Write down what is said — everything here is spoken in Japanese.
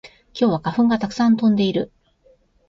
今日は花粉がたくさん飛んでいる